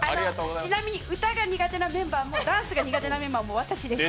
ちなみに歌が苦手なメンバーもダンスが苦手なメンバーも私です。